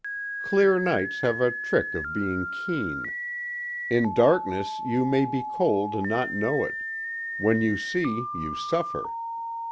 Clear nights have a trick of being keen. In darkness you may be cold and not know it; when you see, you suffer.